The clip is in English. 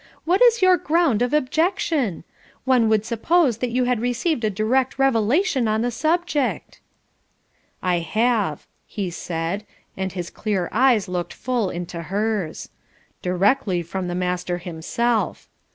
What is your ground of objection? One would suppose that you had received a direct revelation on the subject." "I have," he said, and his clear eyes looked full into hers, "directly from the Master himself.